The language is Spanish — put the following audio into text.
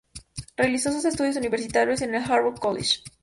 Realizó sus estudios universitarios en el "Harlow College".